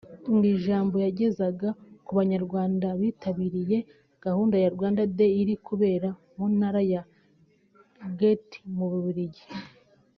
Mu ijambo yagezaga ku Banyarwanda bitabiriye gahunda ya Rwanda Day iri kubera mu Ntara ya Ghent mu Bubiligi